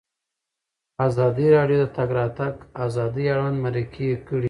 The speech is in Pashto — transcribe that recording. ازادي راډیو د د تګ راتګ ازادي اړوند مرکې کړي.